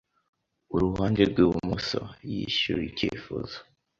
uruhande rwibumoso Yishuye Icyifuzo